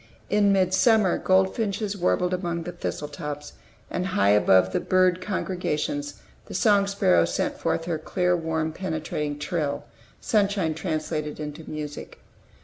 In midsummer, goldfinches warbled among the thistle tops; and, high above the bird congregations, the song sparrow sent forth her clear, warm, penetrating trill, sunshine translated into music.